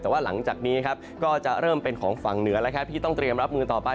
แต่ว่าหลังจากนี้ครับก็จะเริ่มเป็นของฝั่งเหนือแล้วครับที่ต้องเตรียมรับมือต่อไป